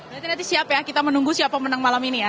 nanti nanti siap ya kita menunggu siapa menang malam ini ya